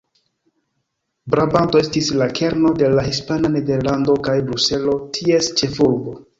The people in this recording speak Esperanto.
Brabanto estis la kerno de la hispana Nederlando, kaj Bruselo ties ĉefurbo.